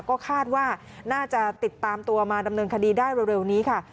ก็คาดว่าน่าจะติดตามตัวมาดำเนินคดีได้เร็วนี้ค่ะ